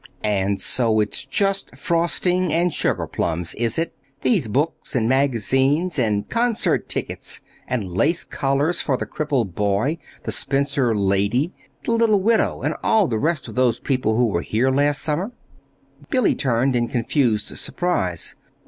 "And so it's just frosting and sugarplums, is it these books and magazines and concert tickets and lace collars for the crippled boy, the spinster lady, the little widow, and all the rest of those people who were here last summer?" Billy turned in confused surprise.